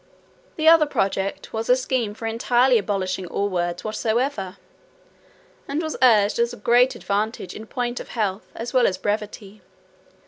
The other project was, a scheme for entirely abolishing all words whatsoever; and this was urged as a great advantage in point of health, as well as brevity.